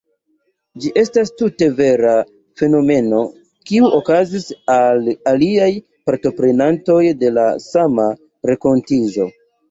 Ĝi estas tute vera fenomeno, kiu okazis al aliaj partoprenantoj de la sama renkontiĝo.